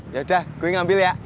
yaudah gue ngambil ya